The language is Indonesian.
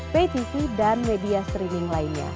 paytv dan media streaming lainnya